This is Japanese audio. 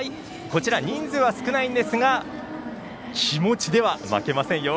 こちら、人数は少ないんですが気持ちでは負けませんよ。